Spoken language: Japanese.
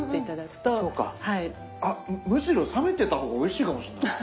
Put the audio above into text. あっむしろ冷めてた方がおいしいかもしんない。